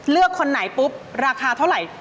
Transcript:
เลือกคนไหนปุ๊บราคาเท่าไร